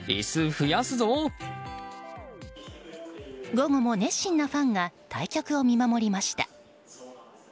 午後も熱心なファンが対局を見守りました。